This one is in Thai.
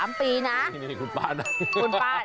นี่นี่คุณป้านั่ง